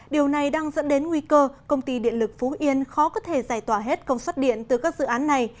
điều này đang dẫn đến nguy cơ công ty điện lực phú yên khó có thể giải tỏa hết công suất điện từ các dự án này